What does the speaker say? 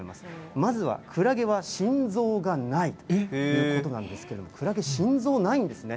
まずはクラゲは心臓がないということなんですけれども、クラゲ、心臓ないんですね。